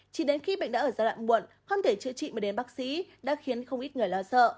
chỉ đến khi bệnh đã ở giai đoạn muộn không thể chữa trị mới đến bác sĩ đã khiến không ít người lo sợ